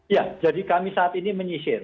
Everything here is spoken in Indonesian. ya jadi kami saat ini menyisir